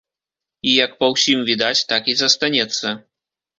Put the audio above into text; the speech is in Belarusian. І, як па ўсім відаць, так і застанецца.